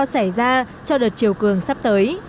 xảy ra cho đợt chiều cường sắp tới